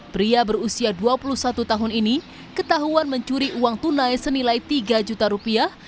pria berusia dua puluh satu tahun ini ketahuan mencuri uang tunai senilai tiga juta rupiah